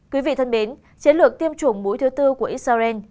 quý vị thân mến chiến lược tiêm chủng mũi thứ tư của israel